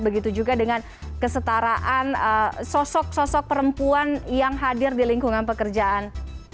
begitu juga dengan kesetaraan sosok sosok perempuan yang hadir di lingkungan pekerjaan